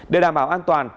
để đảm bảo an toàn